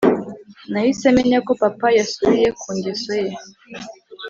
Nahise menya ko papa yasubiye ku ngeso ye